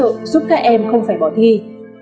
giúp các em không phải bỏ thi